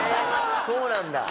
そうなんだ。